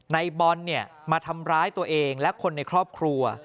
ในบอลมาทำร้ายตัวเองและคนในครอบครัว